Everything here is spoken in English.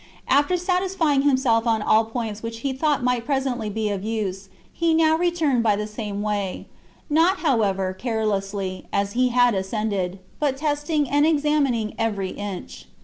After satisfying himself on all points which he thought might presently be of use, he now returned by the same way; not, however, carelessly, as he had ascended, but testing and examining every inch.